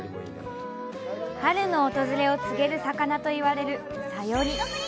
春の訪れを告げる魚といわれるサヨリ。